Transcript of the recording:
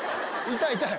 痛い痛い！